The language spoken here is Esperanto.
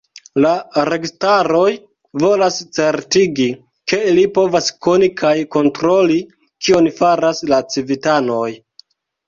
La registaroj volas certigi, ke ili povas koni kaj kontroli kion faras la civitanoj.